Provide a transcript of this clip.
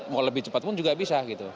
mau lebih cepat pun juga bisa gitu